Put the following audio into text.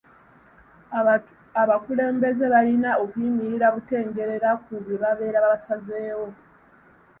Abakulembeze balina okuyimirira butengerera ku bye babeera basazeewo.